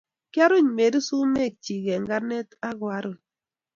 Kiaruny Mary sumek chi eng karnet akoaruny